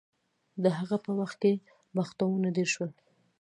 د هغه په وخت کې بغاوتونه ډیر شول.